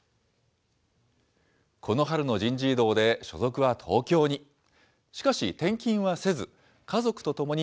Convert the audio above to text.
この春の人事異動で所属は東京に。